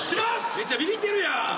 めちゃビビってるやん。